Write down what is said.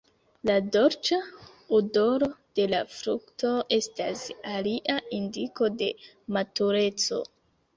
La dolĉa odoro de la frukto estas alia indiko de matureco.